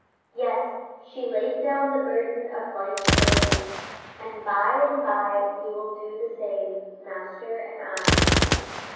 Yes, she laid down the burden of life early, and by and by we will do the same Master and I.